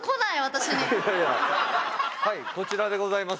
はいこちらでございます。